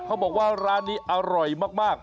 เขาบอกว่าร้านนี้อร่อยมาก